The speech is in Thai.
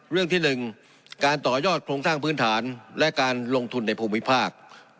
เรื่องที่๑การต่อยอดโครงสร้างพื้นฐานและการลงทุนในภูมิภาค